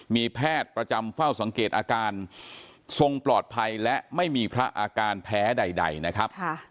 มีแพทย์ประจำเฝ้าสังเกตอาการทรงปลอดภัยและไม่มีพระอาการแพ้ใดนะครับ